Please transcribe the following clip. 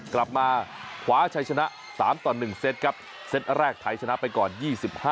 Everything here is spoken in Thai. กลับมาขวาชัยชนะ๓ต่อ๑เซตครับเซตแรกไทยชนะไปก่อน๒๕